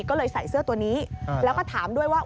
ก็เลยใส่เสื้อตัวนี้แล้วก็ถามด้วยว่า